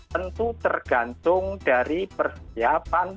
tentu tergantung dari persiapan